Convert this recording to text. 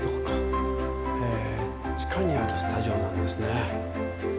へえ地下にあるスタジオなんですね。